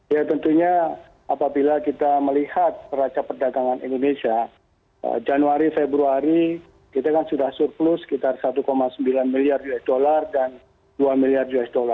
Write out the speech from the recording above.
ya tentunya apabila kita melihat raca perdagangan indonesia januari februari kita kan sudah surplus sekitar satu sembilan miliar usd dan dua miliar usd